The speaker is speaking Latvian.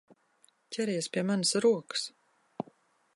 Ķeries pie manas rokas!